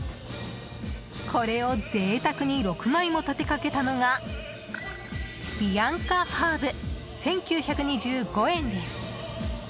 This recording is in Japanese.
これを贅沢に６枚も立てかけたのがビアンカハーブ、１９２５円です。